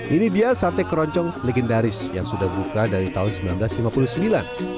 ini dia sate keroncong legendaris yang sudah buka dari tahun seribu sembilan ratus lima puluh sembilan